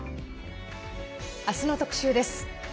あすの特集です。